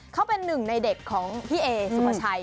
เขาเป็นหนึ่งในเด็กของพี่เอสุภาชัย